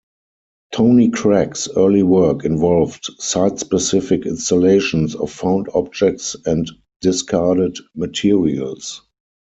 Tony Cragg's early work involved site-specific installations of found objects and discarded materials.